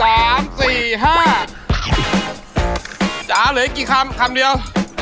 อ่าหลายกี่คำคำเดียว